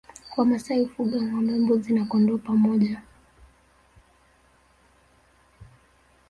Wamasai hufuga ngombe mbuzi na kondoo pamoja